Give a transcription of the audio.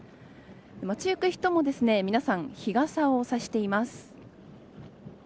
街行く人も皆さん日傘をさしています。